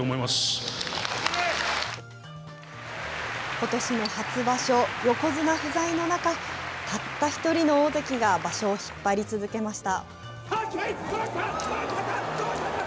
ことしの初場所、横綱不在の中、たった一人の大関が場所を引っ張り続けました。